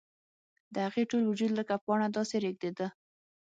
د هغې ټول وجود لکه پاڼه داسې رېږدېده